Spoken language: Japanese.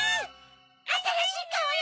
あたらしいカオよ！